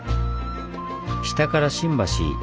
下から神橋。